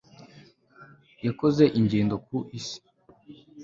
yakoze ingendo ku isi